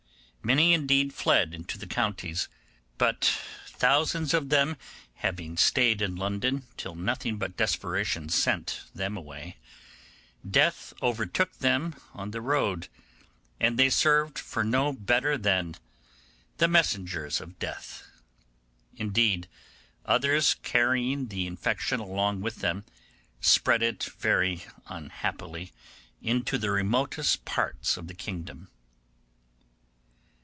Many indeed fled into the counties, but thousands of them having stayed in London till nothing but desperation sent them away, death overtook them on the road, and they served for no better than the messengers of death; indeed, others carrying the infection along with them, spread it very unhappily into the remotest parts of the kingdom.